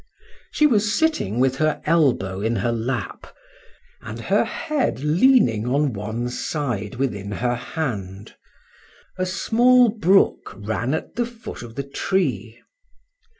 She was sitting with her elbow in her lap, and her head leaning on one side within her hand:—a small brook ran at the foot of the tree.